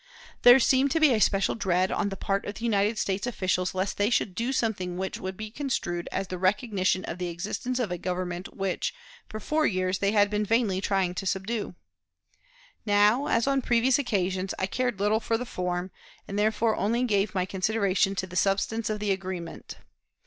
There seemed to be a special dread on the part of the United States officials lest they should do something which would be construed as the recognition of the existence of a government which for four years they had been vainly trying to subdue. Now, as on previous occasions, I cared little for the form, and therefore only gave my consideration to the substance of the agreement.